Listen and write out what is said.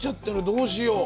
どうしよう？